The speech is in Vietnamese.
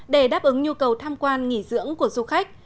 để đáp ứng nhu cầu tham quan nghỉ dưỡng của du khách